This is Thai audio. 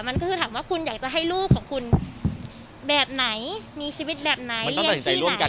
มันก็คือถามว่าคุณอยากจะให้ลูกของคุณแบบไหนมีชีวิตแบบไหนเรียนที่ไหน